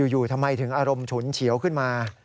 อยู่ทำไมถึงอารมณ์ฉุนเฉียวขึ้นมา